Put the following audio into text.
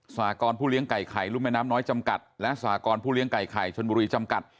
สากรผู้เลี้ยงไก่ไข่รุ่มแม่น้ำน้อยจำกัดและสากรผู้เลี้ยงไก่ไข่ชนบุรีจำกัด